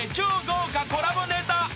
豪華コラボネタ］